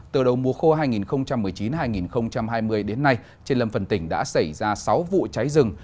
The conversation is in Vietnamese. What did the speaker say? từ đầu mùa khô hai nghìn một mươi chín hai nghìn hai mươi đến nay trên lầm phần tỉnh đã xảy ra sáu vụ cháy rừng